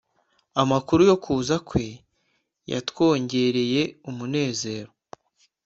amakuru yo kuza kwe yatwongereye umunezero.